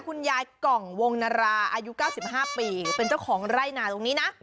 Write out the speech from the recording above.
คุณยายกล่องวงนาราอายุ๙๕ปีเป็นเจ้าของไร่นาตรงนี้นะ